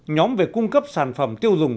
tám nhóm về cung cấp sản phẩm tiêu dùng